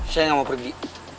saya gak mau pergi